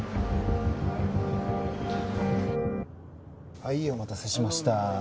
はいお待たせしました。